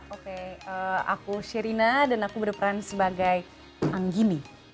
oke aku sherina dan aku berperan sebagai anggini